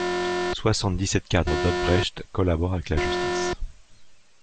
Soixante-dix-sept cadres d'Odebrecht collaborent avec la justice.